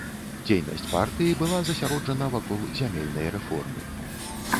Дзейнасць партыі была засяроджана вакол зямельнай рэформы.